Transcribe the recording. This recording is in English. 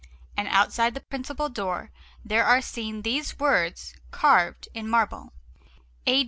And outside the principal door there are seen these words carved in marble: A.